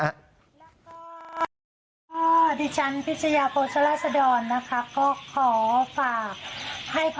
แล้วก็พ่อดิฉันพิชยาโปรชลาศดรนะครับ